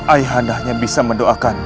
ayah anda hanya bisa mendoakanmu